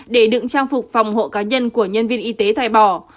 để đựng trang phục phòng hộ cá nhân của nhân viên y tế thải bỏ